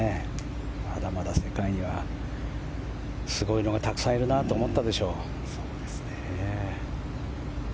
まだまだ世界にはすごいのがたくさんいるなと思ったでしょう。